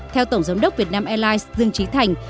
theo tổng giám đốc việt nam airlines dương trí thành